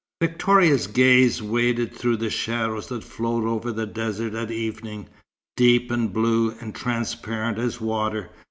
Victoria's gaze waded through the shadows that flow over the desert at evening, deep and blue and transparent as water.